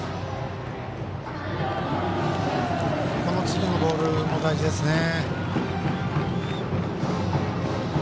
次のボールも大事ですね。